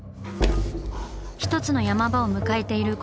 一つの山場を迎えているこの作品。